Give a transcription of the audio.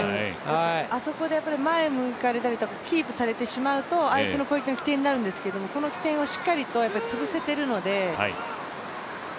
あそこで前を向かれたりとかキープされてしまうと相手の攻撃の起点になるんですけどその起点をしっかりとつぶせているので。